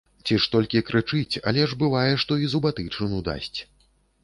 Ці ж толькі крычыць, але ж бывае, што і зубатычыну дасць.